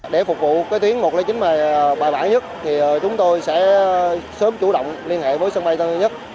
để phục vụ tuyến một trăm linh chín bài bản nhất chúng tôi sẽ sớm chủ động liên hệ với sân bay tân sân nhất